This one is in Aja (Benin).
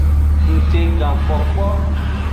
Ngtegankpokpo.